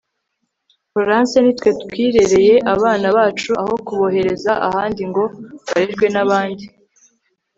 Florence ni twe twirereye abana bacu aho kubohereza ahandi ngo barerwe n abandi